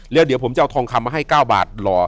เดี๋ยวผมจะเอาทองคำมาให้๙บาทรอ